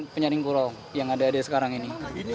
menyaring kurau yang ada ada sekarang ini